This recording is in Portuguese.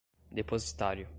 depositário